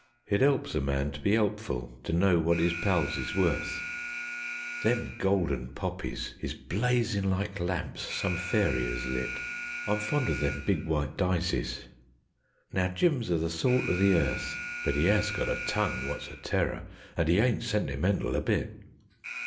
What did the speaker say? It 'elps a man to be 'elpful, to know wot 'is pals is worth (Them golden poppies is blazin' like lamps some fairy 'as lit); I'm fond o' them big white dysies. ... Now Jim's o' the salt o' the earth; But 'e 'as got a tongue wot's a terror, and 'e ain't sentimental a bit.